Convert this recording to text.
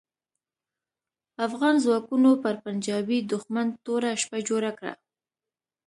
افغان ځواکونو پر پنجاپي دوښمن توره شپه جوړه کړه.